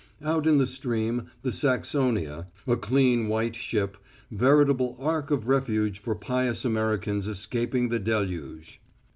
Out in the stream the Saxonia a clean white ship, veritable ark of refuge for pious Americans escaping the deluge.